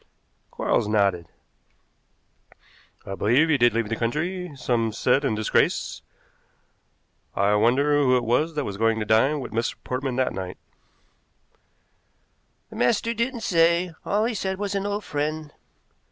Quarles nodded. "I believe he did leave the country; some said in disgrace. I wonder who it was that was going to dine with Mr. Portman that night." "The master didn't say. All he said was an old friend."